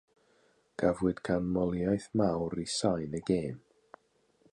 Cafwyd canmoliaeth mawr i sain y gêm.